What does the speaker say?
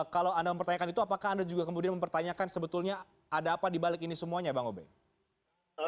kalau anda mempertanyakan itu apakah anda juga kemudian mempertanyakan sebetulnya ada apa dibalik ini semuanya bang obe